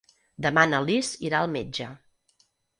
Demà na Lis irà al metge.